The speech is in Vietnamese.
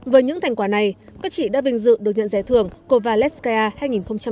với những thành quả này các chị đã bình dự được nhận giải thưởng cova lepska hai nghìn một mươi chín